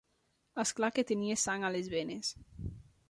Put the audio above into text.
Es clar que tenia sang a les venes